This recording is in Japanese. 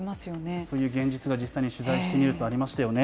そういう現実が実際に取材してみると、ありましたよね。